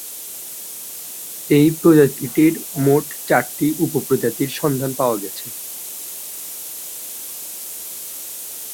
এ প্রজাতিটির মোট চারটি উপপ্রজাতির সন্ধান পাওয়া গেছে।